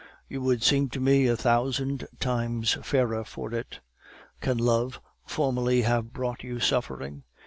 You would seem to me a thousand times fairer for it. Can love formerly have brought you suffering?